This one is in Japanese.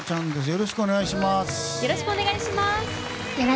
よろしくお願いします。